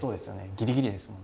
ギリギリでですもんね。